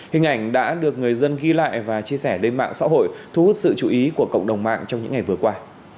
hình ảnh đã được người dân ghi lại và chia sẻ lên mạng xã hội thu hút sự chú ý của cộng đồng mạng trong những ngày vừa qua